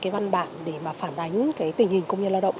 và phản ánh tình hình công nhân lao động